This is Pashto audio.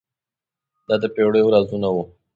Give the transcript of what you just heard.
دا د پیړیو رازونه وو.